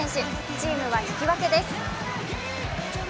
チームは引き分けです。